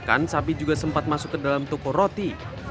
bahkan sapi juga sempat masuk ke dalam toko roti